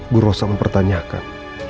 bu rosa mempertanyakan